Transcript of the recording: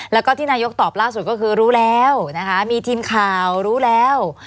แล้วก็ที่นายกตอบล่าสุดก็คือรู้แล้วนะคะมีทีมข่าวรู้แล้ว